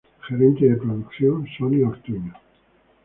Gerente de Producción: Sonia Ortuño.